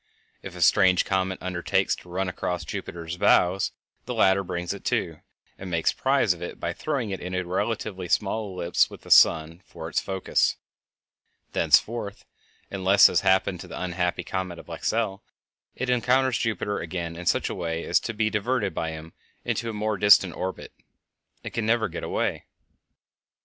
If a strange comet undertakes to run across Jupiter's bows the latter brings it to, and makes prize of it by throwing it into a relatively small ellipse with the sun for its focus. Thenceforth, unless, as happened to the unhappy comet of Lexell, it encounters Jupiter again in such a way as to be diverted by him into a more distant orbit, it can never get away.